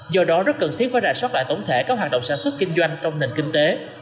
do đó rất cần thiết phải rà soát lại tổng thể các hoạt động sản xuất kinh doanh trong nền kinh tế